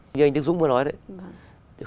như anh đức dũng vừa nói đấy